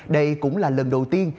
đây cũng là lần đầu tiên